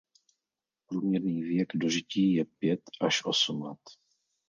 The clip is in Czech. Průměrný věk dožití je pět až osm let.